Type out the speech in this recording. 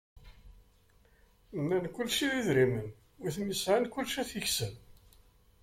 Nnan kulci d idrimen, wi ten-yesεan kullec ad t-yekseb.